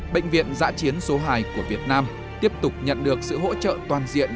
bệnh viện giã chiến số hai của việt nam tiếp tục nhận được sự hỗ trợ toàn diện